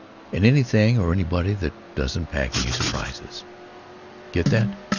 And anything or anybody that doesn't pack any surprises—get that?